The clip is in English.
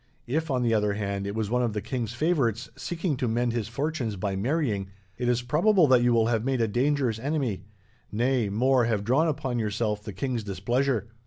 If, on the other hand, it was one of the king's favourites, seeking to mend his fortunes by marrying, it is probable that you will have made a dangerous enemy nay, more, have drawn upon yourself the king's displeasure.